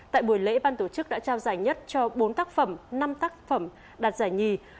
tại buổi lễ ban tổ chức đã trao giải nhất cho bốn tác phẩm năm tác phẩm đạt giải nhì